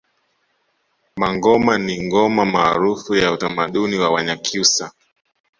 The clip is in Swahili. Mangoma ni ngoma maarufu ya utamaduni wa Wanyakyusa